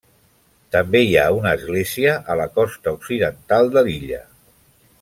També hi ha una església a la costa occidental de l'illa.